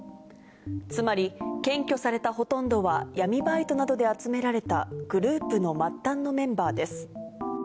つまり検挙されたほとんどは、闇バイトなどで集められたグループの末端のメンバーです。